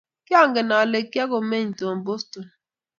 kiangen ale kiakumeny Tom Boston.